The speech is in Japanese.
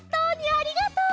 ありがとう！